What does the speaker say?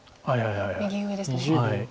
右上ですね。